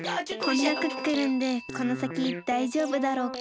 こんなクックルンでこのさきだいじょうぶだろうか。